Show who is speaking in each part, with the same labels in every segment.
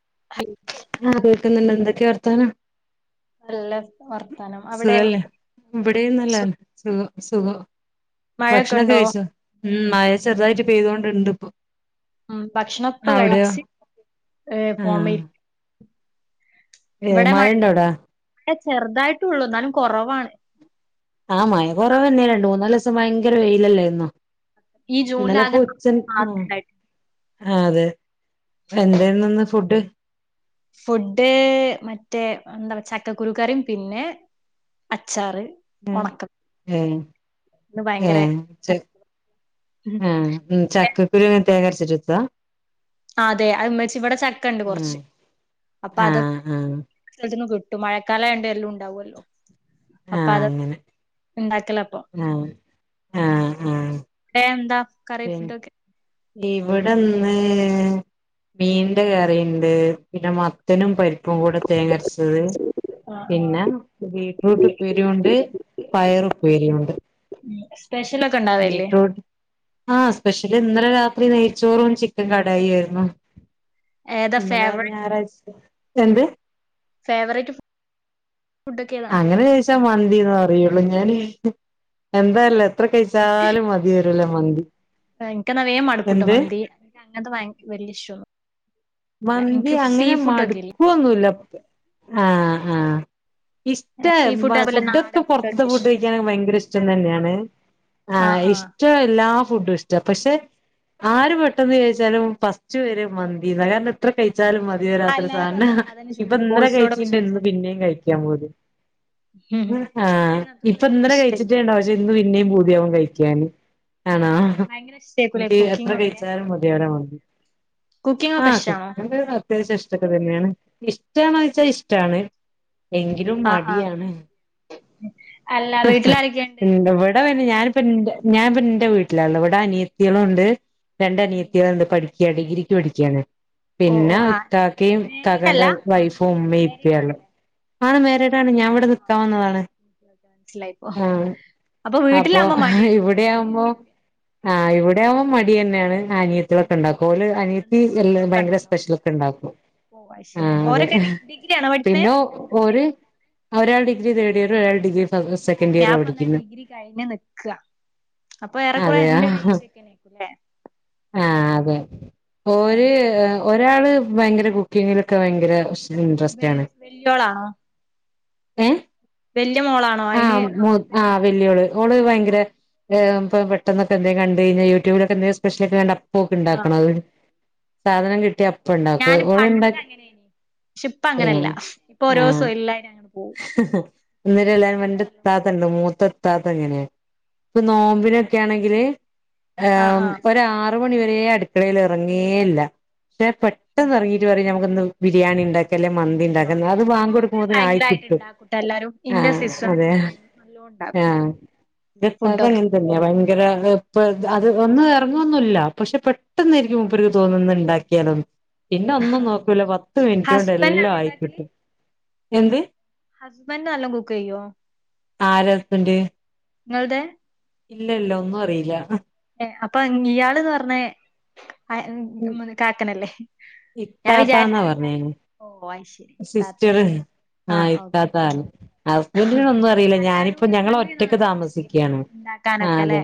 Speaker 1: [inaudible]
Speaker 2: ആ കേക്കുന്നുണ്ട് എന്തൊക്കെയാ വർത്താനം സുഖല്ലേ ഇവിടേം നല്ലന്നെ സുഖം സുകം ഭക്ഷണൊക്കെ കഴിച്ചോ ഉം മഴ ചെറുതായിട്ട് പെയ്തു കൊണ്ട്ണ്ട് ഇപ്പം
Speaker 1: മ് ഭക്ഷണം ഇപ്പ കഴിച്ച് ഫോൺ മെ
Speaker 2: ഏ മഴ ഉണ്ടോ അവ്ടാ
Speaker 1: ഏ ചെറുതായിട്ടുള്ളൂ ന്നാലും കൊ റവാണ്.
Speaker 2: ആഹ് മഴ കുറവ്ന്നെ രണ്ട് മൂന്നാല് ദിവസം ഭയങ്കര വെയിലല്ലോയിരുന്നോ. ഇന്നലെ പ്പൊ ഉച്ചന്ന് ആ അതെ എന്തെന്നു ന്ന് ഫുഡ്?
Speaker 1: ഫുഡ് മറ്റേ എന്താ പ ചക്കക്കുരുക്കറിം പിന്നെ അച്ചാറ്
Speaker 2: മ് മ് മ് ചക്ക് മ് ചക്കകു കുരു ങ്ങനാ തേങ്ങരിച്ചിട്ട് വെക്കാ.
Speaker 1: അതെ അത് മച്ച് ഇവിടെ ചക്ക ഉണ്ട് കുറച്ച് അപ്പൊ
Speaker 2: ആഹ്
Speaker 1: അതൊക്കെ
Speaker 2: ആഹ് ആഹ്
Speaker 1: [unintelligible] ട്ട് മഴക്കാലയണ്ട് എല്ലാം ഉണ്ടാവു ലോ.. അപ്പൊ അത് ഉണ്ടാക്കല..
Speaker 2: ഉം ആം
Speaker 1: എ എന്താ കറി ഫുഡൊക്കെ
Speaker 2: ഇവിടെന്ന് മീന്റെ കറിണ്ട് പിന്നെ മത്തനും പരിപ്.. പ്പും കൂടെ തേങ്ങരച്ചത് പിന്ന ബീറ്റ്റൂട്ട് ഉപ്പേരിയുണ്ട് പയറുപ്പേരിയുണ്ട് ബീറ്റ്റൂ ങാ സ്പെഷ്യല് ഇന്നലെ രാത്രി നെയ്ച്ചോറും ചിക്കൻ കടായി ആയിരുന്നു. ഇന്നലെ ഞായറാഴ്ച എന്ത്
Speaker 1: ഫേവററ്റ് ഫു
Speaker 2: അങ്ങനെ ചോയിച്ചാ മന്തിന്ന് പറയുള്ളൂ ഞാൻ എന്തല്ല.. എത്ര കഴിച്ചാലും മതിവരുല്ല മന്തി
Speaker 1: താങ്ക് ക്ക നാവേ മടക്കൂട്ടോ
Speaker 2: എന്ത്
Speaker 1: മന്തി അത് [unintelligible]
Speaker 2: മന്തി അങ്ങനെ മടുക്കുവൊന്നുമില്ല ആഹ ആഹ ഇഷ്ട ഫുഡൊക്കെ പൊറത്ത ഫുഡ് കഴിക്കാന ഭയങ്കര ഇഷ്ടം തന്നെയാണ് ആഹ ഇഷ്ട എല്ല ഫുഡ് ഇഷ്ട പക്ഷെ ആര് പെട്ടെന്ന് ചോദിച്ചാലും ഫസ്റ്റ് വർ മന്തിന്നാ എത്രപ്പ കച്ചാലും മതിയ രാത്രി സാധാരണ ഇപ്പ ഇന്നലെ കഴിച്ചി ഇന്ന് പിന്നേും കഴിക്കാൻ പോതി ആ ഇപ്പൊ ഇന്നലെ കഴിച്ചിട്ടേണ്ടക്ഷെ ഇന്ന് പിന്നേും പൂതിയാവൻ കഴിച്ച ാന ആണോ എനിക്ക് എത്ര കഴിച്ചാലും മതിയവരാ വതി ആ നി അത്യാവശ്യ ഇഷ്ടക്കെ തന്നെയാണ് ഇഷ്ടണ വെച്ചാൽ ഇഷ്ടമാണ് എങ്കിലും മടിയാണ് പി ഇവിടെ ഞാനിപ്പ എ ഞാനിപ്പ എന്റെ വീട്ടിലാള്ള ഇവിടെ അനിയത്തികളും ഉണ്ട് രണ്ട അനിയത്തികളുണ്ട് പഠി ക്യാ ടിഗ്രിക്ക് പഠിക്കുകയാണ് പിന്നെ ഇക്കാക്കയും ഇക്കാക്കന്റെ വൈഫും ഉമ്മയും ഇപ്പില്ലോ ആണ് മാരീ ടാണ് ഞാൻ ഇവിടെ നിക്കാൻ വന്നതാണ്
Speaker 1: മനസിലായിപ്പോ
Speaker 2: ആഹ്
Speaker 1: അപ്പൊ വീട്ടിലാമ്പോ മടിയ [unintelligible]
Speaker 2: ഇവിടെ
Speaker 1: കുക്ക്
Speaker 2: ആവുമ്പോ
Speaker 1: ചെയ്യാന്
Speaker 2: ആഹ് ഇവിടെയാമ്പം മടി അന്നെയാണ് അനിയത്തികളൊക്കെ ഇണ്ടാക്കും ഓല് അനിയത്തി എല്ല ഭയങ്കര സ്പെഷ്യലതൊക്കെ ഇണ്ടാക്കും ആഹ് അതെ പിന്നെ ഒര് ആ ഒരാൾ ഡിഗ്രി തേർഡിയറ് ഒരാള് ഡിഗ്രി
Speaker 1: ഓഹ്
Speaker 2: സെക്കൻഡ് ഇയർ
Speaker 1: ഞാപ്പന്ന
Speaker 2: പഠിക്കുന്നു
Speaker 1: ഡിഗ്രി കഴിഞ്ഞ് നിക്കുക അപ്പൊ ഏറെക്കുറെ [unintelligible]
Speaker 2: അതെയാ ആഹ് അതെ ഓര് ഒരാള് ഭയങ്കര കുക്കിങ്ങിലൊക്കെ ഭയങ്കര ഇൻട്രസ്റ്റ്
Speaker 1: വെ
Speaker 2: ആണ്
Speaker 1: വെല്ലിയോളാ
Speaker 2: ഏഹ്
Speaker 1: വല്
Speaker 2: ആഹ് ആഹ് വല്യള് ഓള് ഭയങ്കര ഏഹ് പെട്ടെന്നൊക്കെ എന്തെ കണ്ട ണ്ടഴിഞ്ഞാ യുറ്റൂബിലൊക്കെ ന്തേലു സ്പെഷ്യലൊക്കെ ക പ്പോക്ക് ഉണ്ടാക്കണം അത് സാധനം കിട്ടിയ അ
Speaker 1: ഞാൻ പണ്ട് അങ്ങനെ പക്ഷേ ഇപ്പ അങ്ങനെയല്ല ഇപ്പൊ ഓരോ സവം എല്ലരും അങ്ങനെ
Speaker 2: ഇന്നര എല്ലും വന്റെ താത്തണ്ടോ മൂത്ത ത്താത്ത എങ്ങനെയ ഇപ്പൊ നോമ്പിനൊക്കൊണെങ്കില് ഒരാറ് ആറു മണിവരേ അടുക്കളൽ ഇറങ്ങ്കേയില്ല പക്ഷെ പെട്ടെന്ന് ഇറങ്ങിട്ട് പറയാ വന്ന് ളബിരിയാണി ഉണ്ടാക്കി മന്തിണ്ടാക്കുന്നത് അത് വാങ്ക കൊടുക്കുമ്പോതിന് ആ്ച
Speaker 1: ണ്ടട്ട എല്ലാരു സ അര നല്ല ഉണ്ടാക്കും
Speaker 2: ആഹ് എന്റെ ഇത്താത്ത
Speaker 1: ഫുഡക്കെ
Speaker 2: അങ്ങനെ തന്നെയാ ഭയങ്കര ഇ അത് ഒന്നും ഇറങ്ങുവൊന്നില്ല പക്ഷെ പെട്ടെന്നായിരിക്കും മുപ്പർക്ക് തോന്നുന്നെഇണ്ടാക്കിയാലൊും പിന്ന ഒന്നും നോക്കൂല പത്ത് മിനിറ്റ് കൊണ്ട് എല്ലാം ആയിക്കിട്ട് എന്ത്
Speaker 1: ഹസ്ബൻഡ് നല്ലാ കുക്ക് ചെയ്യോ
Speaker 2: ആരപ്പന്റെ
Speaker 1: നിങ്ങൾടെ
Speaker 2: ഇല്ല ഇല്ല ഒന്നും അറിയില്ല
Speaker 1: അപ്പൊ ഇയാള്ന്ന് പറഞ്ഞ ആ കാക്കനല്ലേ
Speaker 2: ഇത്താത്താന്നാ പറഞ്ഞേല് സിസ്റ്റർ ആഹ ഇത്താത്തതാണ് ഹസ്ബൻഡിനോട് ഒന്നും അറിയില്ല ഞാനിപ്പോ ഞങ്ങള ഒറ്റക്ക് താമസിക്കുകയാണ് ആ അതെ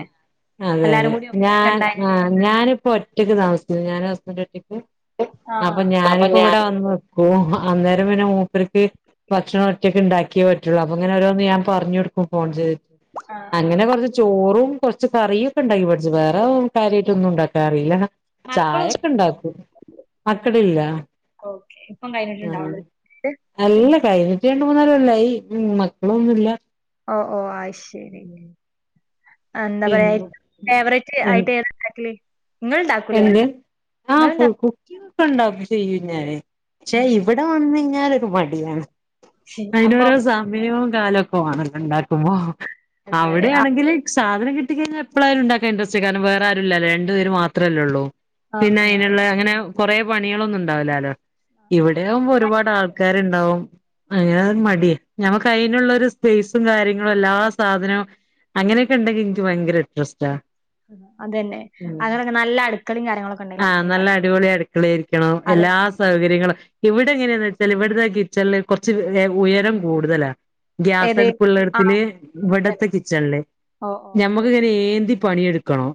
Speaker 2: അതെ അതെ ഞൻ ആ ഞാനിപ്പോ ഒറ്റക്ക് താമസിക്ക ഞ അവരൊറ്റക്ക് അപ്പൊ ഞാനിപ്പോ ഇവിടെ വന്ന് വെക്കും അന്നേരം പിന്നെ പ്പർക്ക് ഭക്ഷണം ഒറ്റൊക്കെ ഉണ്ടാക്കി പറ്റുള്ളൂ അങ്ങനെ ഓരോന്ന് ഞൻ പറഞ്ഞു ഫോൺ ചെയ്തിട്ട് അങ്ങനെ കൊറച്ച് ചോറും കൊറച്ച് കറിയും ഒക്കെ ഉണ്ടായി ഇവിടെ വേറെ കാര്യമായിട്ടൊന്നും ഉണ്ടാക്കാറി യില്ല ചായൊക്കെ ഇണ്ടാക്കൂ അക്കടല്ല ആഹ അല്ല അല്ല കഴിഞ്ഞിട്ട് രണ്ട് മൂന്നാല് അല്ലായി മക്കളൊന്നുമില്ല
Speaker 1: ഓ ഓ ആ ശരി
Speaker 2: ഉം.
Speaker 1: എന്താ പറയാ
Speaker 2: പിന്നെ
Speaker 1: ഫേവററ്റ്
Speaker 2: എൻ-
Speaker 1: ആയിട്ട് ഏതണ്ടാക്ക
Speaker 2: എന്ത് ആഹ് കു കുക്ക് ചെയ്യും ണ്ടാ ചെയ്യും ഞാന് ക്ഷേ ഇവിടെ വന്നഴി ഞാനൊരു മടിയാണ് അയ്നോരോ സമയും കാലൊക്കെ മാണല്ലോ ണ്ടാക്കുമ്പോ അവിടെ ആണെങ്കില് സാധനം കിട്ടി കയിഞ്ഞാ എപ്പളായാലും ഇണ്ടാക്കാൻ ഇൻട്രസ്റ്റേകാരം വേറാരൂല്ലലേ രണ്ട് പേർ മാ ത്രല്ലൊള്ളൂ. പിന്നെ അയിന്ള്ള അങ്ങനെ കൊറെ പണികളൊന്നും ഉണ്ടാവില്ലാലോ ഇവിടെയാകുമ്പോ ഒരുപാട് ആൾക്കാര്ണ്ടാവും. [unintelligible] മട്യേ ഞങ്ങക്ക് ഐനുള്ളൊരു സ്പേസും കാര്യങ്ങളും എല്ലാ സാധനവും അങ്ങനെയൊക്കെ ഇണ്ടെങ്കിൽ ഇന്ക്ക് ഭയങ്കര ഇൻട്രസ്റ്റാ.
Speaker 1: അതന്നെ
Speaker 2: ഉം
Speaker 1: അങ്ങന [unintelligible]
Speaker 2: ആഹ് നല്ല അടിപൊളി അടുക്കളേയ്രിക്കണം എല്ലാ സൗകര്യങ്ങളും ഇവിടെ എങ്ങനെയാന്ന് വെച്ചാൽ ഇവിടതാ കിച്ചണില് കൊർച്ച് എ ഉയരം കൂടുതലാ ഗ്യാസടുപ്പുള്ളടത്തില് ഇവിടത്തെ കിച്ചണില് ഞമ്മക്കിങ്ങനെ ഏന്ത് ന്തി പണിയെടുക്കണം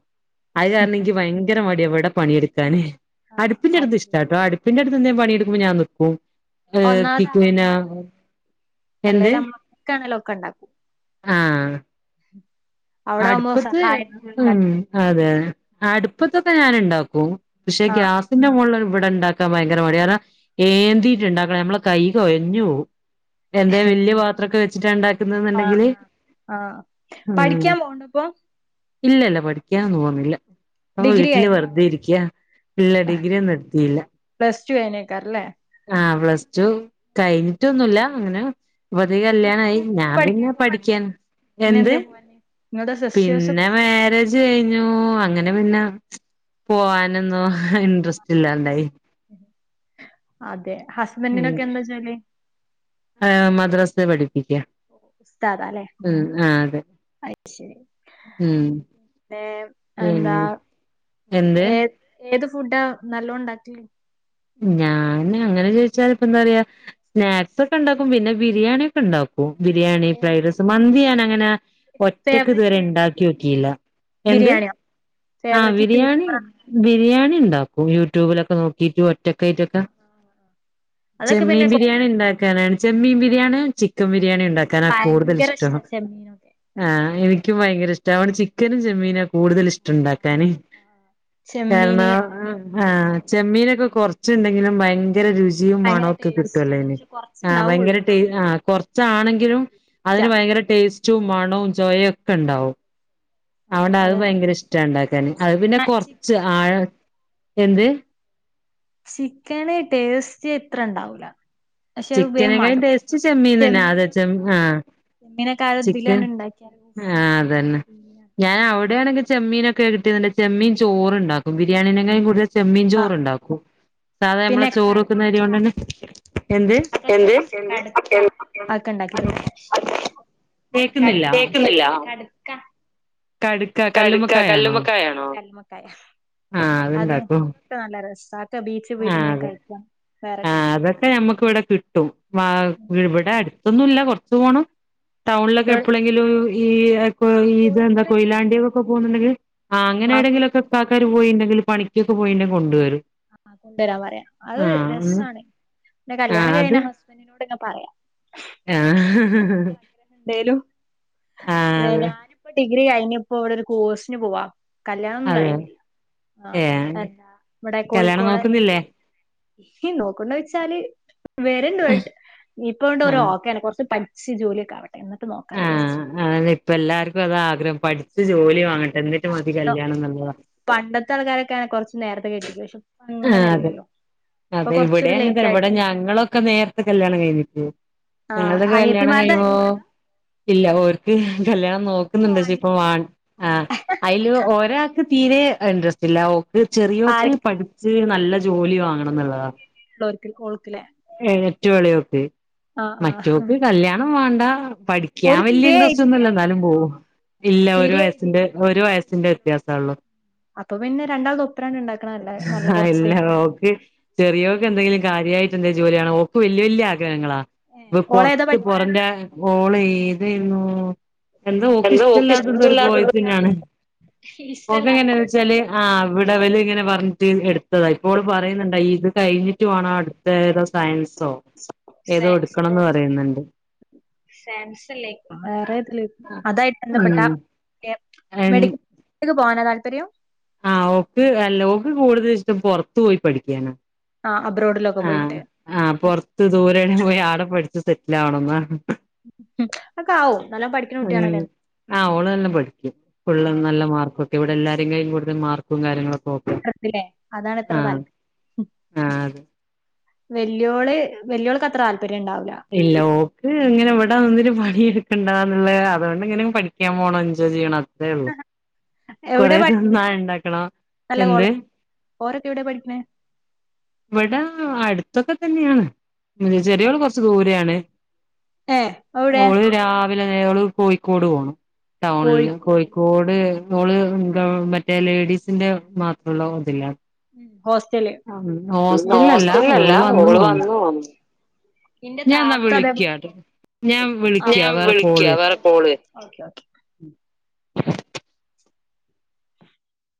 Speaker 2: അത് കാരണം ഇനിക്ക് ഭയങ്കര മട്യാ ഇവിടെ പണിയെടുക്കാന് അടുപ്പിന്റെടുത്ത് ഇഷ്ടാട്ടോ അടുപ്പിന്റെടുത്ത് ന്തേ പണിയെടുക്കുമ്പോ ഞാൻ നിക്കും ഏഹ് കി
Speaker 1: ഒന്നാമത് അവിടെ
Speaker 2: പിന്നെ
Speaker 1: മ്മക്കൊ [unintelligible]
Speaker 2: എന്ത്
Speaker 1: മ്മ ആണെലും ഒക്കെ ഇണ്ടാക്കും
Speaker 2: ആഹ് അടുപ്പത്ത് ഉം അതെ അതെ അടുപ്പത്തൊക്കെ ഞാൻ ഇണ്ടാക്കും പക്ഷെ ഗ്യാസിന്റെ മോളിലൊരു വ് ഇവിടെ ഇണ്ടാക്കാൻ ഭയങ്കര മട്യ കാരണം ഏന്തിട്ട് ണ്ടാക്കണം നമ്മളെ കൈ കൊയഞ്ഞോവും എന്താ വല്യ പാത്രൊക്കെ വെച്ചിട്ടാ ഇണ്ടാക്കുന്നത് ണ്ടെങ്കില് ഉം
Speaker 1: വ
Speaker 2: ഇല്ല ഇല്ല പഠിക്കാനൊന്നും പോവ്ന്നില്ല നമ്മ വീട്ടില് വെറുതെ ഇരിക്യാ ഇല്ല ഡിഗ്രിയൊന്നും എട്ത്തീല്ല
Speaker 1: റ്റു ആനേ [unintelligible]
Speaker 2: ആ പ്ലസ് ടു കഴിഞ്ഞിട്ടൊന്നുല്ല അങ്ങനെ പ്പത്തേക്ക് കല്യാണായി ഞാൻ പിന്നെ പഠിക്കാൻ എന്ത് പിന്നെ മാര്യേജ് കഴി അങ്ങനെ പിന്നെ പോവാനൊന്നും ഇൻട്രസ്റ്റ് ഇല്ലാണ്ടായി
Speaker 1: അതെ
Speaker 2: ഉ അ മദ്രസ ല പണി
Speaker 1: ഉസ്താദാല്ലെ
Speaker 2: ആ അതെ
Speaker 1: അയ്ശരി
Speaker 2: ഉം
Speaker 1: പിന്നെ എന്താ
Speaker 2: പിന്നെ എന്ത്
Speaker 1: ഏ ഏത് ഫുഡാ നല്ലോണ്ടാക്കല്
Speaker 2: ഞാൻ അങ്ങനെ ചോദിച്ചാൽ പ്പെന്താ പറയാ നേരത്തെക്കെ ഉണ്ടാക്കും പിന്നെ ബിരിയാണി ഒക്കെ ഇണ്ടാക്കും ബിരിയാണി ഫ്രൈഡ് റൈസ് മന്തി ഞാൻ അങ്ങനെ ഒറ്റക്ക് ഇതുവരെ ഒണ്ടാക്കി നോക്കിയില്ല എന്ത് ആ ബിരിയാണി ബിരിയാണി ണ്ടാക്കും യൂട്യൂബിലൊക്കെ നോക്കിട്ട് [unintelligible] ചെമ്മീൻ ബിരിയാണി ഇണ്ടാക്കാനാണ് ചെമ്മീൻ ബി [unintelligible] ചിക്കൻ ബിരിയാണി ഇണ്ടാക്കാനാ കൂടുതൽ ഇഷ്ടം ആ ക്കും ഭയങ്കര ഇഷ്ടാ വടെ ചിക്കനും ചെമ്മീനാ കൂടുതൽ ഇഷ്ടം ണ്ടാക്കാന് കാരണം ആ ചെമ്മീനക്കെ കുറച ച്ചന്തങ്കിലും ഭയങ്ക ഭയങ്കര രുചിയും മണൊക്കെ കിട്ടുവല്ലേന് ആ ഭയങ്കര ടേ ആ കുറച്ചാണെങ്കിലും അതിന് ഭയങ്കര ടേസ്റ്റ് ച്ചും മണവും ചോയ ഒക്കെ ഉണ്ടാവും അവടെ അത് ഭയങ്കര ഇഷ് ഇണ്ടാക്കാന് അത് പിന്നെ കൊറച്ച് ആഴ എന്ത്
Speaker 1: ചിക്കന് ടേസ്റ്റ് എത്ര ഇണ്ടാവൂല
Speaker 2: ചിക്കനേക്കായും ടേസ്റ്റ് ചെമ്മീന്ന് തന്നെ ആത ചെ ആ ചിക്കൻ ആ അതന്നെ ഞാൻ അവിടെയാണെങ്കി ചെമ്മീനൊക്കെ കിട്ടീതൊണ്ട് ചെമ്മീൻ ചോറ് ഉണ്ടാക്കും ബിരിയാണീനെക്കായും കൂടുതല് ചെമ്മീൻ ചോറ്ണ്ടാക്കും സാധാ നമ്മളെ ചോറ് വെക്കുന്ന അരിയോണ്ട് തന്നെ
Speaker 1: എന്ത് [inaudible] കട ആക്കെ [inaudible] ഉണ്ടാക്കിന്ന
Speaker 2: കേക്കുന്നില്ല
Speaker 1: കടുത്തേക്കുന്ന [unintelligible] കാ കടുക്ക കല്ലുമ്മക്കായ ആണോ കല്ലുമ്മക്കായാ
Speaker 2: ആഹ്
Speaker 1: അതും
Speaker 2: അത്ണ്ടാക്കും
Speaker 1: അതൊക്കെ നല്ല രസക്കെ ബീച്ചിൽ പോയിട്ട് ഇങ്ങനെ കഴിക്കാം
Speaker 2: ആ അതൊക്കെ ഞമ്മക്ക് ഇവിടെ കിട്ടും ആ ഇവടെ അടു ത്തൊന്നുല്ല കൊറച്ചു പോണം ടൗണിലൊക്കെ എപ്പോഴെങ്കിലും ഈ ഇപ്പോ ഈ ഇതെന്താ കൊയിലാണ്ടിയൊക്കെ പോകുന്നുണ്ടെങ്കിൽ ആ അങ്ങനെ ഏടെങ്കിലൊക്കെ ഇപ്പോ ആൾക്കാര് പോയിണ്ടെങ്കിൽ പണിക്കൊക്കെ പോയിണ്ടെങ്കിൽ കൊണ്ടുവരും
Speaker 1: ആഹ് കൊണ്ടുവരാൻ പറയണം അത്
Speaker 2: ആഹ്
Speaker 1: രസാ [inaudible] പിന്നെ കല്യാണം
Speaker 2: ആഹ് അത്
Speaker 1: കഴിഞ്ഞാ ഹസ്ബൻഡിനോട് ക്കെ പറയാം
Speaker 2: ആഹ് ഹ ഹ ഹ
Speaker 1: അതെ ഞാനിപ്പ ഡിഗ്രി ഡിഗ്രി കഴിഞ്ഞിപ്പോ ഇവിടെ ഒരു കോഴ്സിന് പോവാ കല്യാണൊന്നും
Speaker 2: അതെ
Speaker 1: കഴിഞ്ഞില്ല ആഹ്
Speaker 2: ഏഹ്
Speaker 1: അല്ല
Speaker 2: കല്യാണം നോക്കുന്നില്ലേ
Speaker 1: നിക്ക് നോക്കുണ്ടോ വെച്ചാല് വരണ്ട് ബട്ട് ഇപ്പോ ആയിനെ കൊണ്ട് ഒരു
Speaker 2: ആഹ്
Speaker 1: ഓക്കെ ആണ് കുറച്ച് പ സി ജോലി ഒക്കെ ആവ
Speaker 2: ആഹ് അഹ് ഇപ്പ എല്ലാർക്കും അതാ ആഗ്രഹം പഠിച്ചു ജോലി വാങ്ങട്ടെ എന്നിട്ട് മതി കല്യാണം ന്നുള്ളതാ.
Speaker 1: ക്കാണെ കുറച്ച് നേരത്തെ
Speaker 2: ആഹ് അതെ അതെ ഇവടെ അങ്ങൻതന്നെ. ഇവടെ ഞങ്ങളൊക്കെ നേർത്തെ കല്യാണം കഴിഞ്ഞ് [unintelligible] ഞങ്ങൾതൊക്കെ കല്യാണം കഴിയ്മ്പോ ഇല്ല ഓർക്ക് കല്യാണം നോക്കുന്നുണ്ട് പക്ഷേ ഇപ്പ വേണ്ട ആഹ് അതില് ഒരാൾക്ക് തീരെ- ഇൻട്രസ്റ്റ് ഇല്ല ഓക്ക് ചെറിയോൾക്ക് പഠിച്ച് നല്ല ജോലി വാങ്ങണം എന്നുള്ളതാ ഏഹ് ഏറ്റവും ഇളയവക്കേ മറ്റോക്ക് കല്യാണം- വേണ്ട പഠിക്കാൻ വല്യ ഇൻട്രസ്റ്റ് ഒന്നുമില്ല എന്നാലും പോകും ഇല്ല ഒരു വയസിന്റെ ഒരു വയസിന്റെ വ്യത്യാസം ഒള്ളു അല്ല ഓൾക്ക് ചെറിയോൾക്ക് എന്തെങ്കിലും കാര്യ- [unintelligible] എന്റെ ജോലിയാണ് ഓക്ക് വല്യ വല്യ ആഗ്ര- ഗ്രഹങ്ങളാ ഇപ്പൊ പൊറത്ത് പൊറം രാജ്യത്ത്- ഓള് ഏതായിരുന്നു എന്താ ഓക്ക് ഇഷ്ടമല്ലാത്ത ഒരു കോ [unintelligible] യി തന്നെയാണ് ഓക്ക എങ്ങനാന്ന് വെച്ചാല് ആ- ലെവലില് ഇങ്ങനെ പറഞ്ഞിട്ട് എടുത്തതാ ഇപ്പോൾ അവള് പറയുന്നുണ്ട് ഇത് കഴിഞ്ഞിട്ട് വേണം അടുത്ത ഏതോ സയൻസ് ഏതോ എടുക്കണമെന്ന് പറയുന്നുണ്ട്.
Speaker 1: സയൻസല്ലേ വേറെതില് അതായി ബന്ധപ്പെട്ട
Speaker 2: ഉം
Speaker 1: എ മെഡിക്കൽ പോകാനാ താൽ തെരിയും.
Speaker 2: ആ ഓക്ക് അല്ല ഓക്ക് കൂടുതലിഷ്ടം പൊറത്തു പോയി പഠിക്കാനാ. ആ ആ പൊറത്ത് ദൂരണ പോയി ആടെ പഠിച്ചു സെറ്റിൽ ആവെണെന്നാ
Speaker 1: ഹു അതൊക്കാവും.
Speaker 2: ഉം. ആ ഓള് നല്ല പഠിക്കും. ഫുള്ളും നല്ല മാർക്ക് ഇവിടെ എല്ലാരും കായി കൂടുതൽ മാർക്കും കാര്യങ്ങളൊ
Speaker 1: ത്രത്ത്ലേ അതാണിത്ര താല്
Speaker 2: ആഹ് അതെ
Speaker 1: വെല്ല്യോള് വെല്ല്യോൾക്കത്ര
Speaker 2: ഇല്ല ഓക്ക് ഇങ്ങനെ ഇവിടെ നിന്നൊരു പ- ശീലിക്കണ്ടാന്നുള്ളെ അതുകൊണ്ട് ഇങ്ങനെ പഠിക്കാൻ പോണം എൻജോയ് ചെയ്യണം. അതേയുള്ളു. കൊറേ തിന്നായിണ്ടാക്കണം. എന്ത്?
Speaker 1: ഓരൊക്കെ എവിടെയാണ് പഠിക്കണേ?
Speaker 2: ഇവിടെ അടുത്തൊക്കെ തന്നെയാണ്. ചെറിയവൾകൊറച്ച് ദൂരെയാണ്.
Speaker 1: ഏ എവിടെ?
Speaker 2: [unintelligible] കോയിക്കോട് പോണം. ടൗണില് കോഴിക്കോട് ഏ ഓള് മറ്റേ ലേഡീസിന്റെ മാത്രമുള്ള ഇതില്ലേ
Speaker 1: ഉം. ഹോസ്റ്റല് ഹോസ്റ്റലിലല്ല ഓള് വന്ന് പോവും.
Speaker 2: ഞാൻ എന്നാ വിളിക്കാട്ടോ ഞാൻ വിളിക്കാ
Speaker 1: ഞാൻ
Speaker 2: വേറെ
Speaker 1: വിളിക്ക
Speaker 2: കോള്
Speaker 1: വേറെ കോള് വരുന്നു. Okay okay